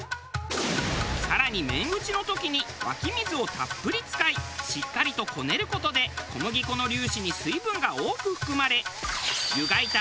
更に麺打ちの時に湧き水をたっぷり使いしっかりとこねる事で小麦粉の粒子に水分が多く含まれ湯がいた